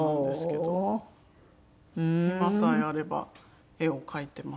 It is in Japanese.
暇さえあれば絵を描いてますね。